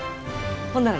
ほんなら。